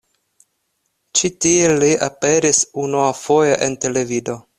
Ĉi tiel li aperis unuafoje en televido.